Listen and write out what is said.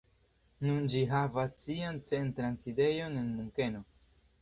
Nun ĝi havas sian centran sidejon en Munkeno.